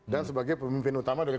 sebagai pemimpin utama dari